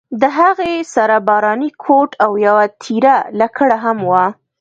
د هغې سره باراني کوټ او یوه تېره لکړه هم وه.